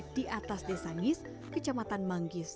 di atas desa ngis kecamatan manggis